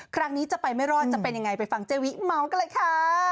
ครั้งนี้จะไปไม่รอดจะเป็นยังไงไปฟังเจวิเมาส์กันเลยค่ะ